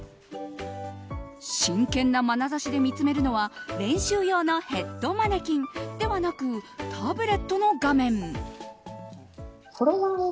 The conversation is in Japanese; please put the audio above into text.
真剣なまなざしで見つめるのは練習用のヘッドマネキンではなく、タブレットの画面。